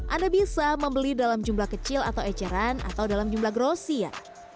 anda bisa membeli dalam jumlah kecil atau eceran atau dalam jumlah grosia